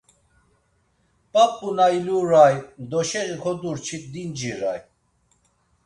P̌ap̌u na iluray, doşeği kodurçit dinciray.